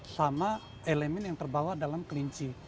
sama elemen yang terbawa dalam kelinci